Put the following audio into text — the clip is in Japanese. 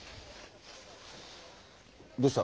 どうした？